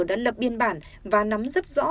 đã lập biên bản và nắm rất rõ